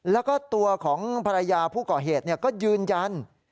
แล้วก็ตัวของภรรยาผู้ก่อเหตุก็ยืนยัน